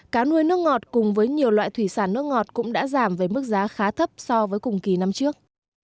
cá nuôi nước ngọt cùng với nhiều loại thủy sản nước ngọt cũng đã giảm về mức giá khá thấp so với cùng kỳ năm trước